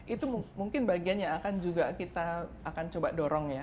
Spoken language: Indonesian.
itu mungkin bagian yang akan juga kita akan coba dorong ya